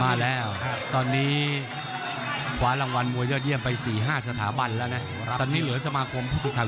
เขามาแล้วตอนนี้ขวานรางวัลมวยยอดเยี่ยมไป๔๕สถาบันแล้วนะ